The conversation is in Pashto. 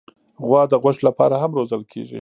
غوا د غوښې لپاره هم روزل کېږي.